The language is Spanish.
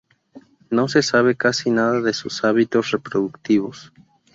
No se sabe casi nada de sus hábitos reproductivos.